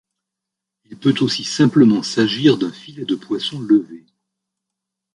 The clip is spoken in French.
Il peut aussi simplement s'agir d'un filet de poisson levé.